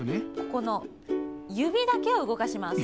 ここのゆびだけをうごかします。